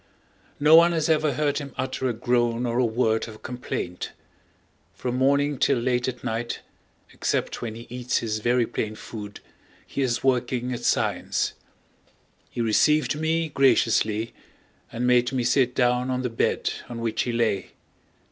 No one has ever heard him utter a groan or a word of complaint. From morning till late at night, except when he eats his very plain food, he is working at science. He received me graciously and made me sit down on the bed on which he lay.